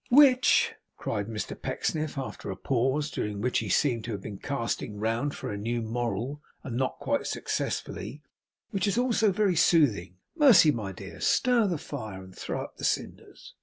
'Which,' cried Mr Pecksniff after a pause, during which he seemed to have been casting about for a new moral, and not quite successfully, 'which is also very soothing. Mercy, my dear, stir the fire and throw up the cinders.